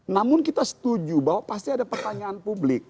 namun kita setuju bahwa pasti ada pertanyaan publik